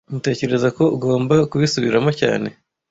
Tmutekereza ko ugomba kubisubiramo cyane